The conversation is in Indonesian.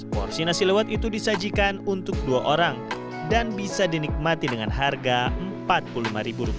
porsi nasi lewat itu disajikan untuk dua orang dan bisa dinikmati dengan harga rp empat puluh lima